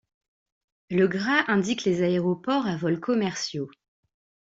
Le gras indique les aéroports à vols commerciaux.